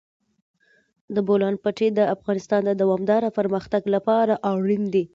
د بولان پټي د افغانستان د دوامداره پرمختګ لپاره اړین دي.